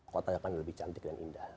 kota akan lebih cantik dan indah